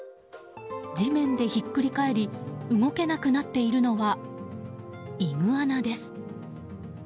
地面でひっくり返り動けなくなっているのはイグアナです。